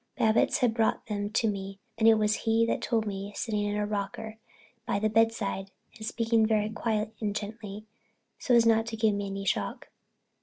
Babbitts had brought them and it was he that told me, sitting in a rocker by the bedside and speaking very quiet and gentle so as not to give me any shock.